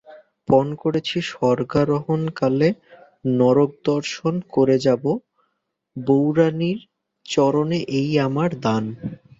পণ করেছি, স্বর্গারোহণকালে নরকদর্শন করে যাব, বউরানীর চরণে এই আমার দান।